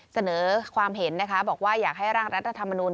เสนอความเห็นนะคะบอกว่าอยากให้ร่างรัฐธรรมนูล